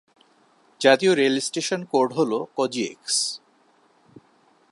জাতীয় rail station code হল কজিএক্স।